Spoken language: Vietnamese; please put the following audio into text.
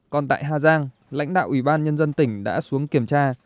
còn tại hà giang lãnh đạo ủy ban nhân dân tỉnh đã xuống kiểm tra